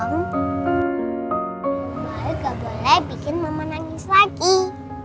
baru ga boleh bikin mama nangis lagi